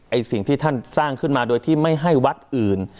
สิ่งที่ท่านสร้างขึ้นมาโดยที่ไม่ให้วัดอื่น